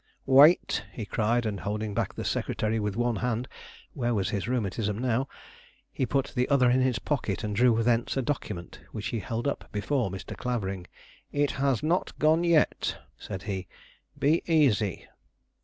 "Wait!" he cried; and holding back the secretary with one hand where was his rheumatism now! he put the other in his pocket and drew thence a document which he held up before Mr. Clavering. "It has not gone yet," said he; "be easy.